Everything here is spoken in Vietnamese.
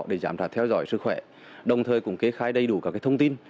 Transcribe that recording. để giảm trả theo dõi sức khỏe đồng thời cũng kế khai đầy đủ các thông tin